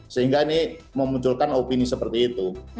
sehingga ini memunculkan opini seperti itu